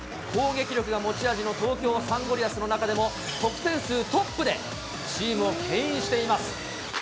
攻撃力が持ち味の東京サンゴリアスの中でも得点数トップでチームをけん引しています。